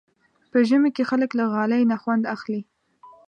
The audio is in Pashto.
په ژمي کې خلک له غالۍ نه خوند اخلي.